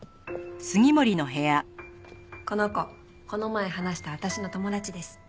この子この前話した私の友達です。